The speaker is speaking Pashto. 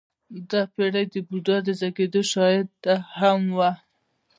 • دا پېړۍ د بودا د زېږېدو شاهده هم وه.